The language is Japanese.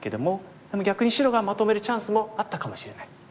でも逆に白がまとめるチャンスもあったかもしれない。